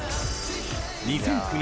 ２００９年